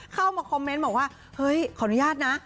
เข้ามาคอมเมนต์บอกว่าเฮ้ยขออนุญาตนะ